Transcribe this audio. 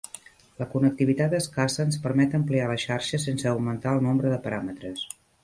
La connectivitat escassa ens permet ampliar la xarxa sense augmentar el nombre de paràmetres.